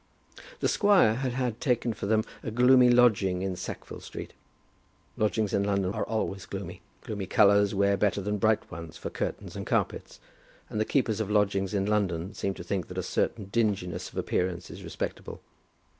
The squire had had taken for them a gloomy lodging in Sackville Street. Lodgings in London are always gloomy. Gloomy colours wear better than bright ones for curtains and carpets, and the keepers of lodgings in London seem to think that a certain dinginess of appearance is respectable.